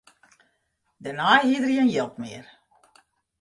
Dêrnei hie er gjin jild mear.